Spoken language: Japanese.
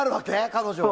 彼女は。